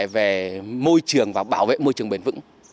về môi trường và bảo vệ môi trường bền vững